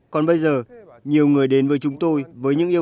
còn bây giờ nhiều người đến với chúng tôi với những yêu